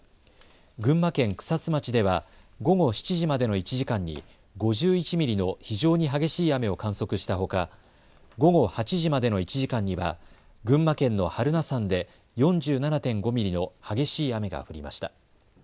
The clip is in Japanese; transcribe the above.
群馬県草津町では午後７時までの１時間に５１ミリの非常に激しい雨を観測したほか午後８時までの１時間には群馬県の榛名山で４７．５ミリの激しい雨が降りました。